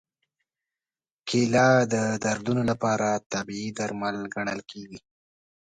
کېله د دردونو لپاره طبیعي درمل ګڼل کېږي.